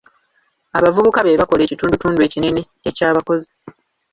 Abavubuka be bakola ekitundutundu ekinene eky'abakozi.